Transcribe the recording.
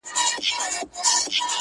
خوښي نسته واويلا ده تور ماتم دئ -